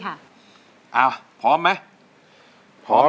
อยากเรียน